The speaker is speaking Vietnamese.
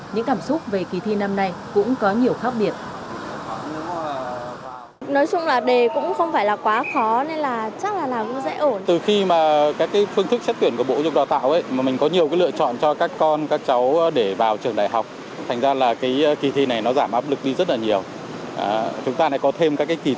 những cảm xúc về kỳ thi năm nay cũng có nhiều khác biệt